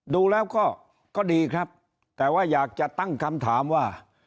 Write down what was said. ดูแล้วก็ดีครับแต่ว่าอยากจะตั้งคำถามว่า